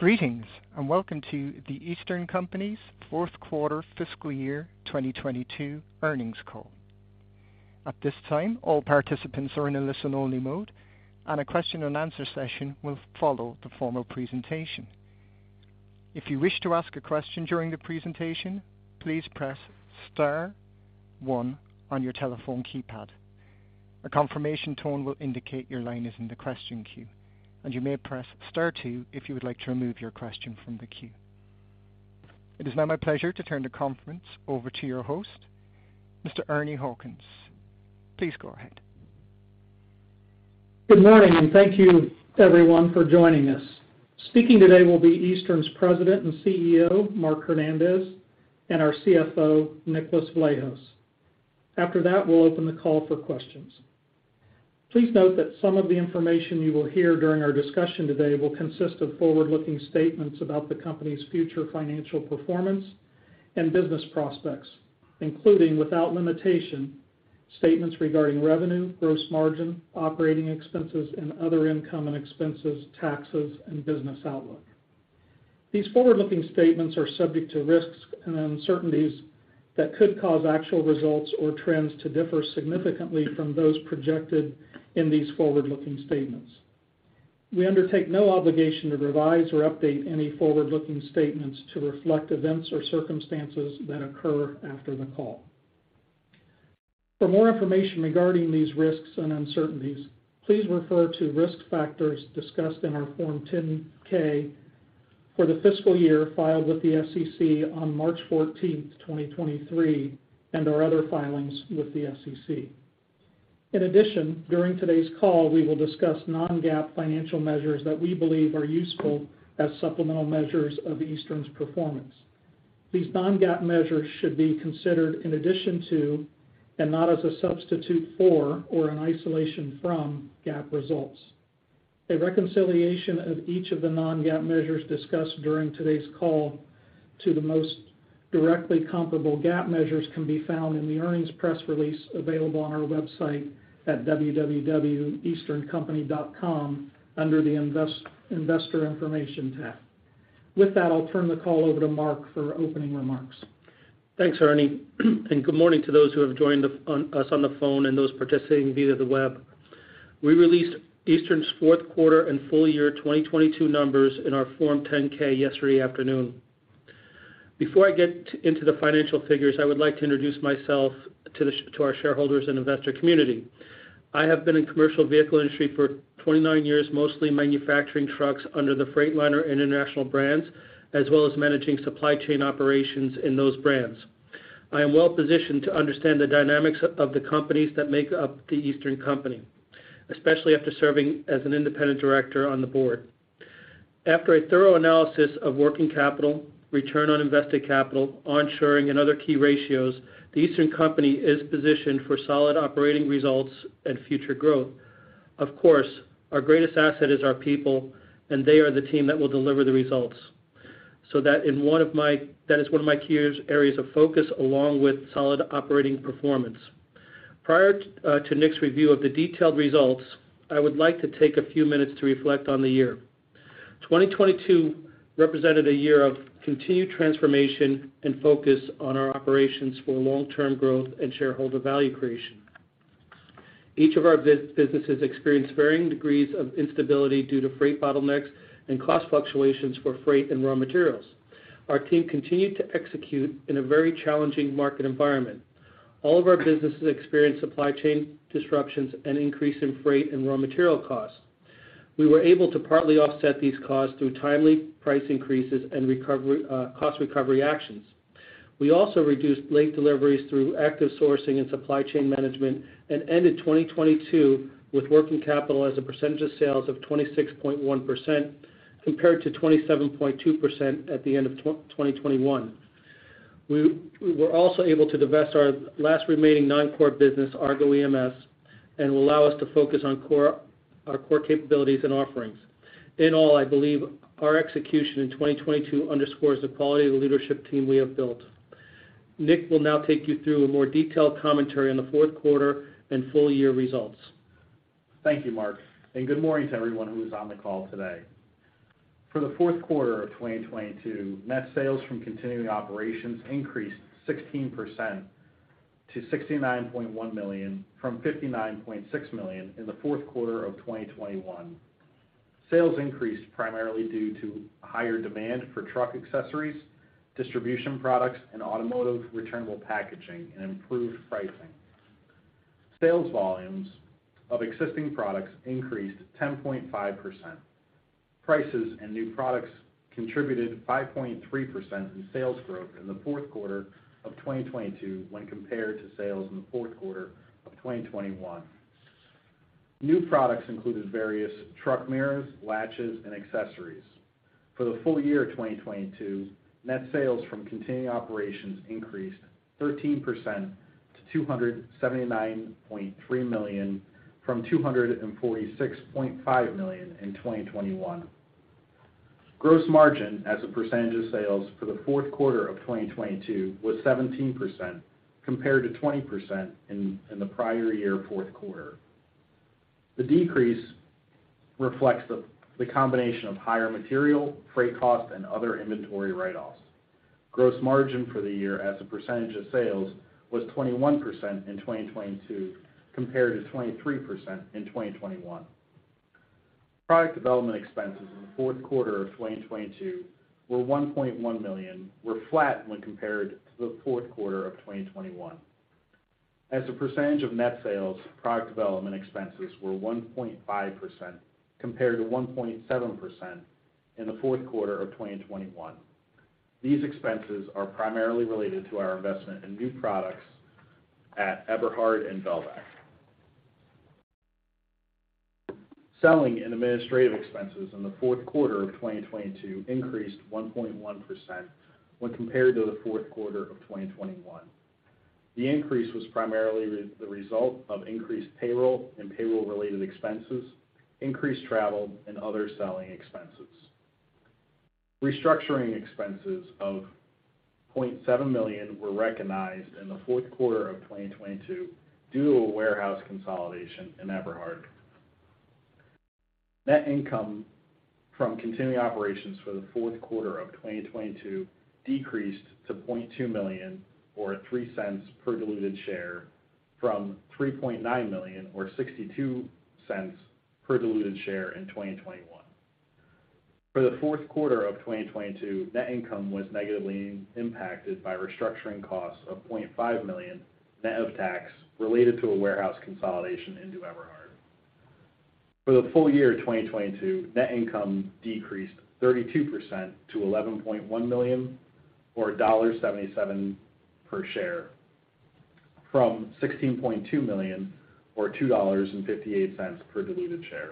Greetings, welcome to The Eastern Company's fourth quarter fiscal year 2022 earnings call. At this time, all participants are in a listen-only mode, and a question-and-answer session will follow the formal presentation. If you wish to ask a question during the presentation, please press star one on your telephone keypad. A confirmation tone will indicate your line is in the question queue, and you may press star two if you would like to remove your question from the queue. It is now my pleasure to turn the conference over to your host, Mr. Ernie Hawkins. Please go ahead. Good morning. Thank you everyone for joining us. Speaking today will be Eastern's President and CEO, Mark Hernandez, and our CFO, Nicholas Vlahos. After that, we'll open the call for questions. Please note that some of the information you will hear during our discussion today will consist of forward-looking statements about the company's future financial performance and business prospects, including without limitation, statements regarding revenue, gross margin, operating expenses, and other income and expenses, taxes and business outlook. These forward-looking statements are subject to risks and uncertainties that could cause actual results or trends to differ significantly from those projected in these forward-looking statements. We undertake no obligation to revise or update any forward-looking statements to reflect events or circumstances that occur after the call. For more information regarding these risks and uncertainties, please refer to risk factors discussed in our Form 10-K for the fiscal year filed with the SEC on March 14th, 2023, and our other filings with the SEC. During today's call, we will discuss non-GAAP financial measures that we believe are useful as supplemental measures of Eastern's performance. These non-GAAP measures should be considered in addition to and not as a substitute for or an isolation from GAAP results. A reconciliation of each of the non-GAAP measures discussed during today's call to the most directly comparable GAAP measures can be found in the earnings press release available on our website at www.easterncompany.com under the investor information tab. With that, I'll turn the call over to Mark for opening remarks. Thanks, Ernie. Good morning to those who have joined us on the phone and those participating via the web. We released Eastern's fourth quarter and full year 2022 numbers in our Form 10-K yesterday afternoon. Before I get into the financial figures, I would like to introduce myself to our shareholders and investor community. I have been in commercial vehicle industry for 29 years, mostly manufacturing trucks under the Freightliner International brands, as well as managing supply chain operations in those brands. I am well-positioned to understand the dynamics of the companies that make up The Eastern Company, especially after serving as an independent director on the board. After a thorough analysis of working capital, return on invested capital, onshoring and other key ratios. The Eastern Company is positioned for solid operating results and future growth. Of course, our greatest asset is our people, and they are the team that will deliver the results. That is one of my key areas of focus along with solid operating performance. Prior to Nick's review of the detailed results, I would like to take a few minutes to reflect on the year. 2022 represented a year of continued transformation and focus on our operations for long-term growth and shareholder value creation. Each of our businesses experienced varying degrees of instability due to freight bottlenecks and cost fluctuations for freight and raw materials. Our team continued to execute in a very challenging market environment. All of our businesses experienced supply chain disruptions and increase in freight and raw material costs. We were able to partly offset these costs through timely price increases and recovery, cost recovery actions. We also reduced late deliveries through active sourcing and supply chain management, and ended 2022 with working capital as a percentage of sales of 26.1% compared to 27.2% at the end of 2021. We were also able to divest our last remaining non-core business, Argo EMS, and will allow us to focus on our core capabilities and offerings. In all, I believe our execution in 2022 underscores the quality of the leadership team we have built. Nick will now take you through a more detailed commentary on the fourth quarter and full-year results. Thank you, Mark, and good morning to everyone who is on the call today. For the fourth quarter of 2022, net sales from continuing operations increased 16% to $69.1 million from $59.6 million in the fourth quarter of 2021. Sales increased primarily due to higher demand for truck accessories, distribution products and automotive returnable packaging and improved pricing. Sales volumes of existing products increased 10.5%. Prices and new products contributed 5.3% in sales growth in the fourth quarter of 2022 when compared to sales in the fourth quarter of 2021. New products included various truck mirrors, latches and accessories. For the full year 2022, net sales from continuing operations increased 13% to $279.3 million from $246.5 million in 2021. Gross margin as a percentage of sales for the fourth quarter of 2022 was 17%, compared to 20% in the prior year fourth quarter. The decrease reflects the combination of higher material, freight costs and other inventory write-offs. Gross margin for the year as a percentage of sales was 21% in 2022 compared to 23% in 2021. Product development expenses in the fourth quarter of 2022 were $1.1 million, were flat when compared to the fourth quarter of 2021. As a percentage of net sales, product development expenses were 1.5% compared to 1.7% in the fourth quarter of 2021. These expenses are primarily related to our investment in new products at Eberhard and Velvac. Selling and administrative expenses in the fourth quarter of 2022 increased 1.1% when compared to the fourth quarter of 2021. The increase was primarily the result of increased payroll and payroll-related expenses, increased travel and other selling expenses. Restructuring expenses of $0.7 million were recognized in the fourth quarter of 2022 due to a warehouse consolidation in Eberhard. Net income from continuing operations for the fourth quarter of 2022 decreased to $0.2 million or $0.03 per diluted share from $3.9 million or $0.62 per diluted share in 2021. For the fourth quarter of 2022, net income was negatively impacted by restructuring costs of $0.5 million net of tax related to a warehouse consolidation into Eberhard. For the full year 2022, net income decreased 32% to $11.1 million or $1.77 per share from $16.2 million or $2.58 per diluted share.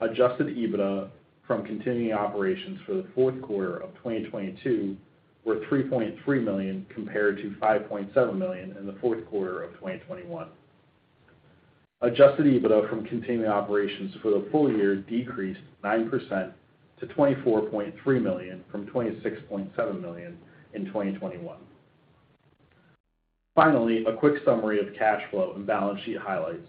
Adjusted EBITDA from continuing operations for the fourth quarter of 2022 were $3.3 million compared to $5.7 million in the fourth quarter of 2021. Adjusted EBITDA from continuing operations for the full year decreased 9% to $24.3 million from $26.7 million in 2021. A quick summary of cash flow and balance sheet highlights.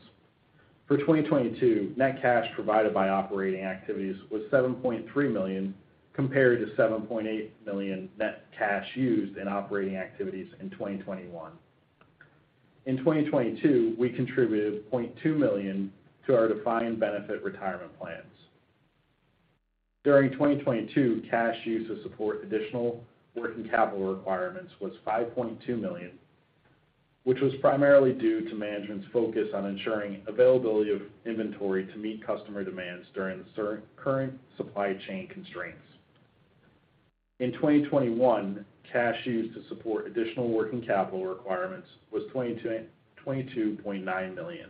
For 2022, net cash provided by operating activities was $7.3 million compared to $7.8 million net cash used in operating activities in 2021. In 2022, we contributed $0.2 million to our defined benefit retirement plans. During 2022, cash used to support additional working capital requirements was $5.2 million, which was primarily due to management's focus on ensuring availability of inventory to meet customer demands during current supply chain constraints. In 2021, cash used to support additional working capital requirements was $22.9 million.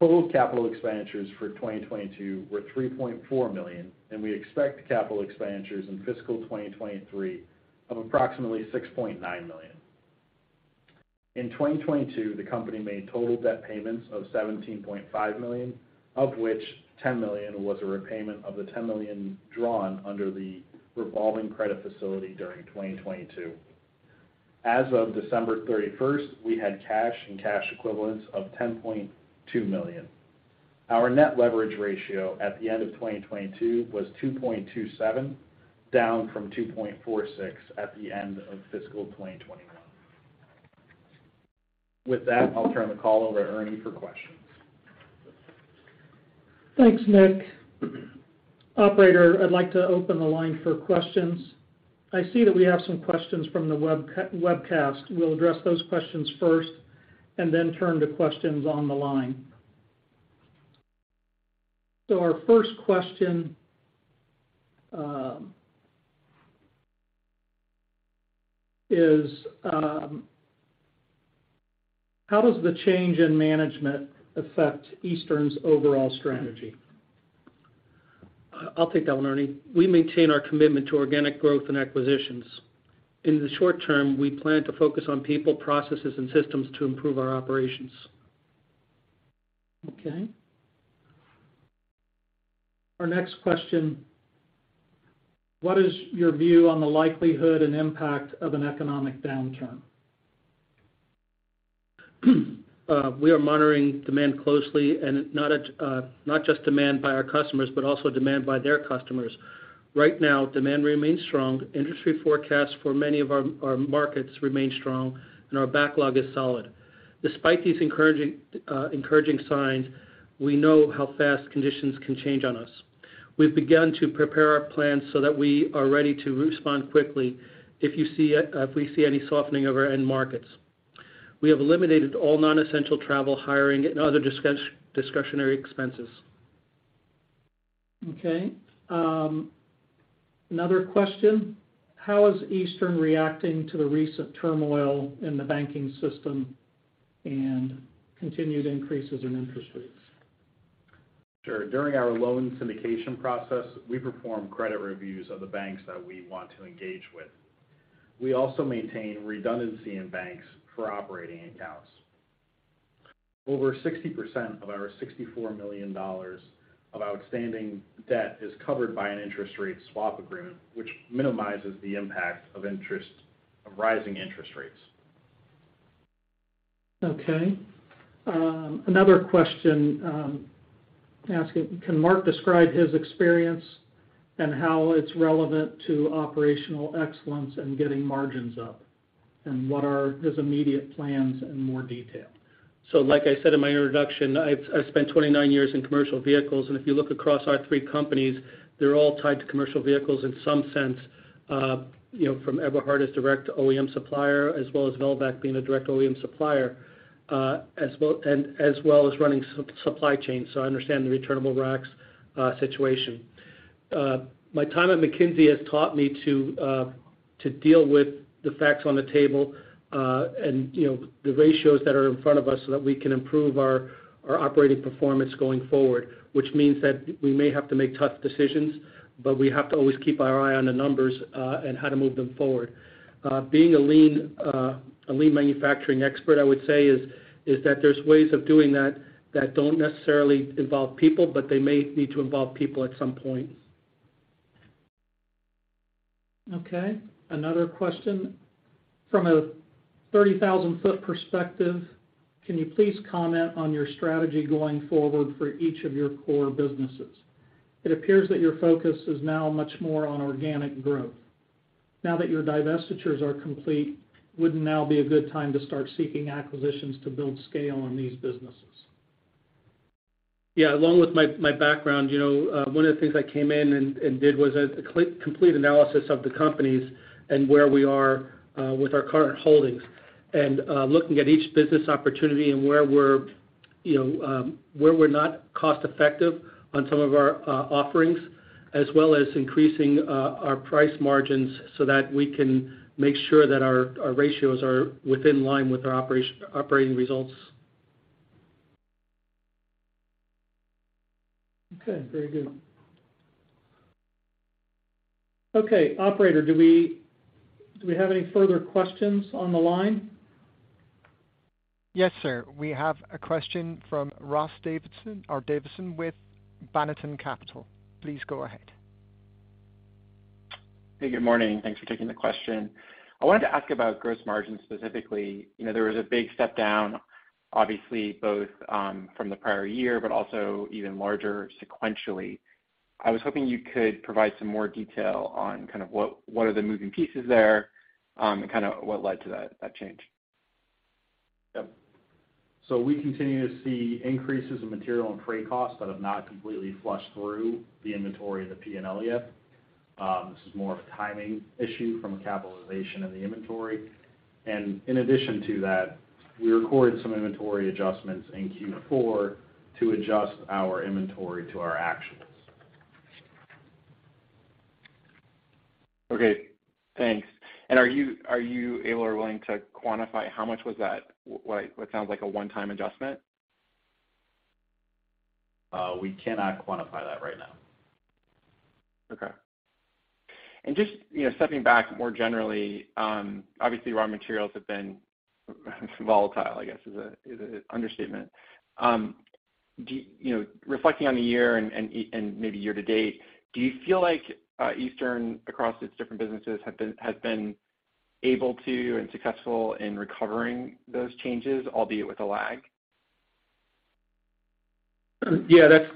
Total capital expenditures for 2022 were $3.4 million. We expect capital expenditures in fiscal 2023 of approximately $6.9 million. In 2022, the company made total debt payments of $17.5 million, of which $10 million was a repayment of the $10 million drawn under the revolving credit facility during 2022. As of December 31st, we had cash and cash equivalents of $10.2 million. Our net leverage ratio at the end of 2022 was 2.27, down from 2.46 at the end of fiscal 2021. With that, I'll turn the call over to Ernie for questions. Thanks, Nick. Operator, I'd like to open the line for questions. I see that we have some questions from the webcast. We'll address those questions first and then turn to questions on the line. Our first question is, how does the change in management affect Eastern's overall strategy? I'll take that one, Ernie. We maintain our commitment to organic growth and acquisitions. In the short term, we plan to focus on people, processes, and systems to improve our operations. Okay. Our next question: What is your view on the likelihood and impact of an economic downturn? We are monitoring demand closely not just demand by our customers, but also demand by their customers. Right now, demand remains strong. Industry forecasts for many of our markets remain strong, and our backlog is solid. Despite these encouraging signs, we know how fast conditions can change on us. We've begun to prepare our plans so that we are ready to respond quickly if we see any softening of our end markets. We have eliminated all non-essential travel, hiring, and other discretionary expenses. Okay. Another question: How is Eastern reacting to the recent turmoil in the banking system and continued increases in interest rates? Sure. During our loan syndication process, we perform credit reviews of the banks that we want to engage with. We also maintain redundancy in banks for operating accounts. Over 60% of our $64 million of outstanding debt is covered by an interest rate swap agreement, which minimizes the impact of rising interest rates. Okay. Another question, asking, can Mark describe his experience and how it's relevant to operational excellence and getting margins up? What are his immediate plans in more detail? Like I said in my introduction, I've spent 29 years in commercial vehicles, and if you look across our three companies, they're all tied to commercial vehicles in some sense, you know, from Eberhard as a direct OEM supplier, as well as Velvac being a direct OEM supplier, and as well as running supply chain. I understand the returnable racks situation. My time at McKinsey has taught me to deal with the facts on the table, and, you know, the ratios that are in front of us so that we can improve our operating performance going forward, which means that we may have to make tough decisions, but we have to always keep our eye on the numbers, and how to move them forward. Being a lean, a lean manufacturing expert, I would say is that there's ways of doing that don't necessarily involve people, but they may need to involve people at some point. Okay. Another question. From a 30,000-foot perspective, can you please comment on your strategy going forward for each of your core businesses? It appears that your focus is now much more on organic growth. Now that your divestitures are complete, would now be a good time to start seeking acquisitions to build scale on these businesses? Yeah. Along with my background, you know, one of the things I came in and did was a complete analysis of the companies and where we are with our current holdings. Looking at each business opportunity and where we're, you know, where we're not cost-effective on some of our offerings, as well as increasing our price margins so that we can make sure that our ratios are within line with our operating results. Okay, very good. Okay, operator, do we have any further questions on the line? Yes, sir. We have a question from Ross Davisson with Banneton Capital. Please go ahead. Hey, good morning. Thanks for taking the question. I wanted to ask about gross margin specifically. You know, there was a big step down, obviously, both from the prior year, but also even larger sequentially. I was hoping you could provide some more detail on kind of what are the moving pieces there, and kinda what led to that change. Yep. We continue to see increases in material and freight costs that have not completely flushed through the inventory of the P&L yet. This is more of a timing issue from a capitalization of the inventory. In addition to that, we recorded some inventory adjustments in Q4 to adjust our inventory to our actuals. Okay, thanks. Are you able or willing to quantify how much was that? What sounds like a one-time adjustment? We cannot quantify that right now. Okay. Just, you know, stepping back more generally, obviously raw materials have been volatile, I guess, is a understatement. You know, reflecting on the year and maybe year to date, do you feel like Eastern across its different businesses has been able to and successful in recovering those changes, albeit with a lag? Yeah, that's,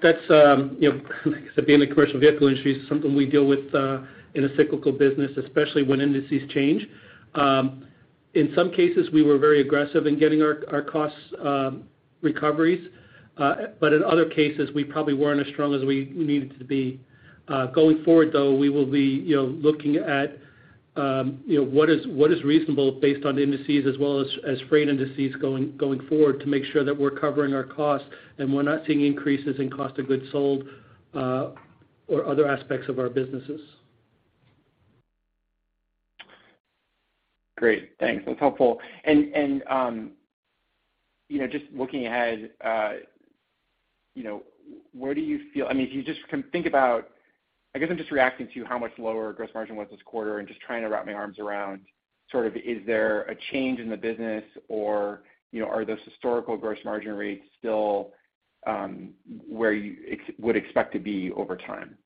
you know, like I said, being in the commercial vehicle industry is something we deal with in a cyclical business, especially when indices change. In some cases, we were very aggressive in getting our costs recoveries. In other cases, we probably weren't as strong as we needed to be. Going forward, though, we will be, you know, looking at, you know, what is reasonable based on the indices as well as freight indices going forward to make sure that we're covering our costs and we're not seeing increases in cost of goods sold or other aspects of our businesses. Great. Thanks. That's helpful. You know, just looking ahead, you know, where do you feel, I mean, if you just can think about, I guess I'm just reacting to how much lower gross margin was this quarter and just trying to wrap my arms around sort of is there a change in the business or, you know, are those historical gross margin rates still, where you would expect to be over time?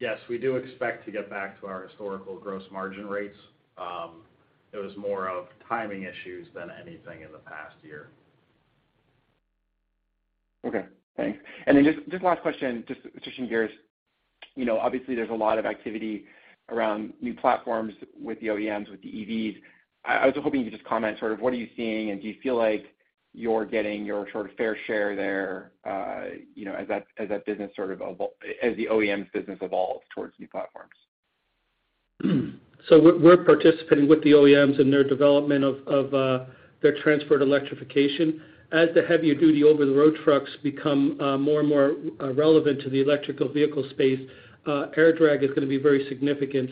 Yes, we do expect to get back to our historical gross margin rates. It was more of timing issues than anything in the past year. Okay. Thanks. Just last question, just in gears. You know, obviously there's a lot of activity around new platforms with the OEMs, with the EVs. I was hoping you could just comment sort of what are you seeing, and do you feel like you're getting your sort of fair share there, you know, as that business sort of evolves as the OEMs business evolves towards new platforms? We're participating with the OEMs in their development of, their transport electrification. As the heavier duty over the road trucks become, more and more, relevant to the electrical vehicle space, air drag is gonna be very significant.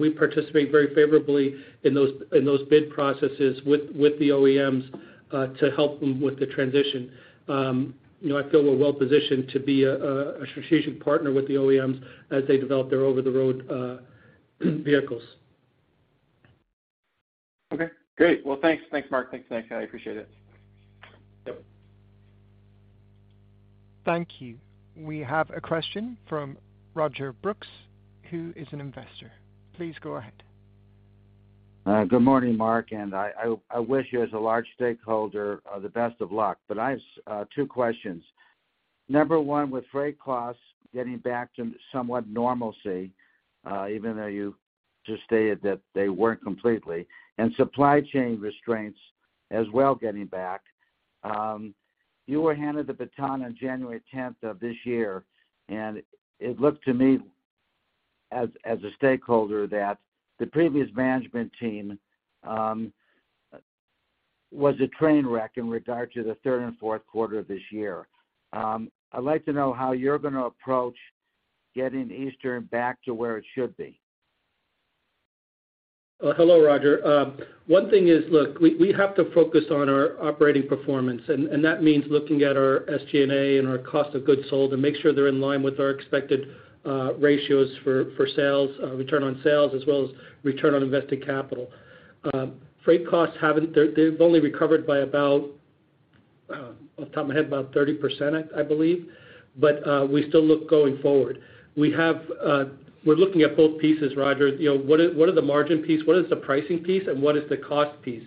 We participate very favorably in those bid processes with the OEMs, to help them with the transition. You know, I feel we're well positioned to be a association partner with the OEMs as they develop their over the road, vehicles. Okay, great. Well, thanks. Thanks, Mark. Thanks. I appreciate it. Thank you. We have a question from Roger Brooks, who is an investor. Please go ahead. Good morning, Mark. I wish you as a large stakeholder, the best of luck. I have two questions. Number one, with freight costs getting back to somewhat normalcy, even though you just stated that they weren't completely, and supply chain restraints as well getting back, you were handed the baton on January 10th of this year, and it looked to me as a stakeholder that the previous management team, was a train wreck in regard to the third and fourth quarter of this year. I'd like to know how you're gonna approach getting Eastern back to where it should be. Hello, Roger. One thing is, look, we have to focus on our operating performance. That means looking at our SG&A and our cost of goods sold to make sure they're in line with our expected ratios for sales, return on sales as well as return on invested capital. Freight costs haven't, they've only recovered by about, off the top of my head, about 30%, I believe. We still look going forward. We have, We're looking at both pieces, Roger. You know, what is, what is the margin piece? What is the pricing piece, and what is the cost piece?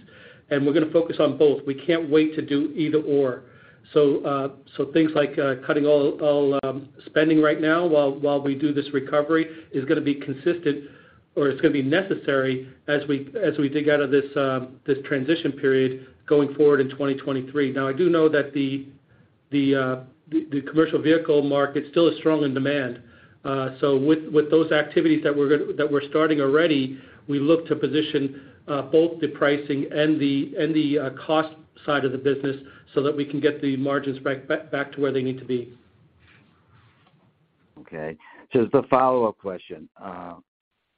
We're gonna focus on both. We can't wait to do either/or. Things like cutting all spending right now while we do this recovery is gonna be consistent or it's gonna be necessary as we dig out of this transition period going forward in 2023. I do know that the commercial vehicle market still is strong in demand. With those activities that we're starting already, we look to position both the pricing and the cost side of the business so that we can get the margins back to where they need to be. As the follow-up question.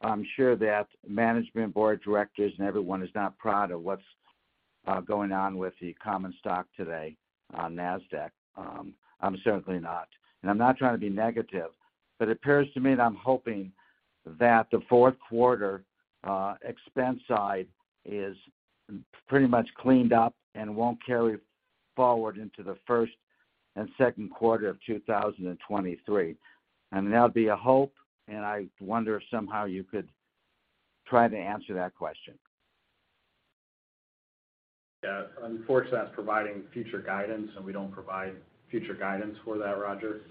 I'm sure that management, board of directors and everyone is not proud of what's going on with the common stock today on NASDAQ. I'm certainly not. I'm not trying to be negative, but it appears to me, and I'm hoping that the fourth quarter expense side is pretty much cleaned up and won't carry forward into the first and second quarter of 2023. That would be a hope, and I wonder if somehow you could try to answer that question. Yeah. Unfortunately, that's providing future guidance, and we don't provide future guidance for that, Roger.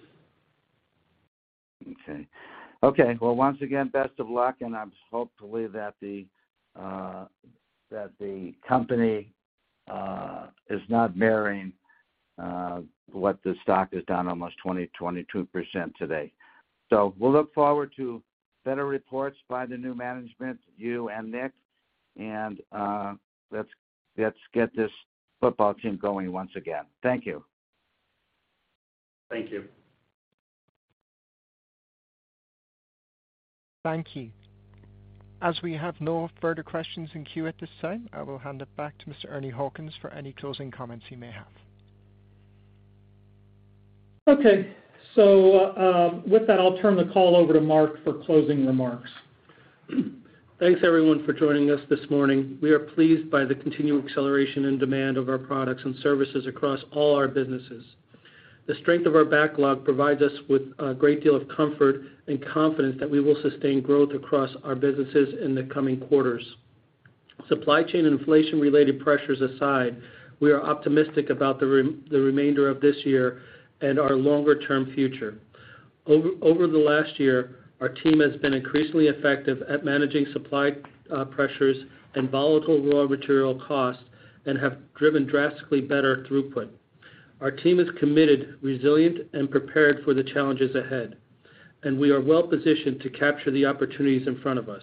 Okay. Okay. Well, once again, best of luck, and I'm hopefully that the company is not mirroring what the stock is down almost 20%-22% today. We'll look forward to better reports by the new management, you and Nick. Let's get this football team going once again. Thank you. Thank you. Thank you. As we have no further questions in queue at this time, I will hand it back to Mr. Ernie Hawkins for any closing comments he may have. Okay. With that, I'll turn the call over to Mark for closing remarks. Thanks, everyone, for joining us this morning. We are pleased by the continued acceleration and demand of our products and services across all our businesses. The strength of our backlog provides us with a great deal of comfort and confidence that we will sustain growth across our businesses in the coming quarters. Supply chain and inflation-related pressures aside, we are optimistic about the remainder of this year and our longer-term future. Over the last year, our team has been increasingly effective at managing supply pressures and volatile raw material costs and have driven drastically better throughput. Our team is committed, resilient, and prepared for the challenges ahead, and we are well-positioned to capture the opportunities in front of us.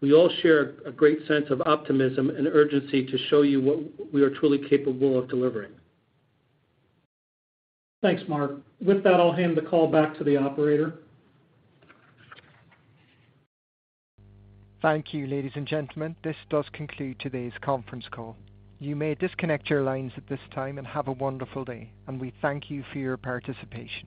We all share a great sense of optimism and urgency to show you what we are truly capable of delivering. Thanks, Mark. With that, I'll hand the call back to the operator. Thank you, ladies and gentlemen. This does conclude today's conference call. You may disconnect your lines at this time. Have a wonderful day, and we thank you for your participation.